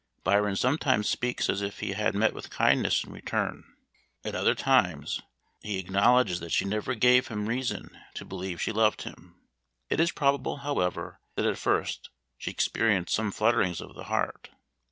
Byron sometimes speaks as if he had met with kindness in return, at other times lie acknowledges that she never gave 'him reason to believe she loved him. It is probable, however, that at first she experienced some flutterings of the heart.